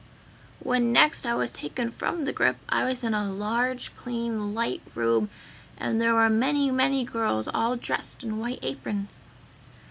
"When next I was taken from the grip I was in a large, clean, light room and there were many, many girls all dressed in white aprons.